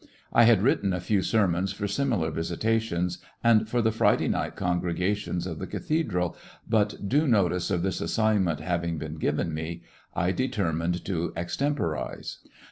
I had writ ten a few sermons for similar visitations and for the Friday night congregations of the ca thedral, but due notice of this assignment having been given me, I determined to ex temporize.